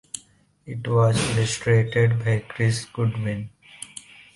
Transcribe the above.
It was illustrated by Chris Goodwin.